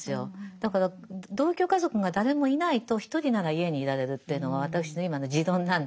だから同居家族が誰もいないと１人なら家に居られるっていうのが私の今の持論なんですけどね。